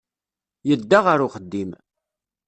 Yedda ɣer uxeddim.